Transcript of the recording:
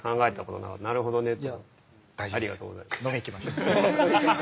ありがとうございます。